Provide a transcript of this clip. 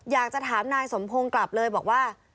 อยากจะถามนายสมพงศ์กลับเลยบอกว่า